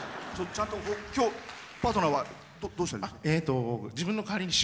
今日、パートナーはどうしているんですか？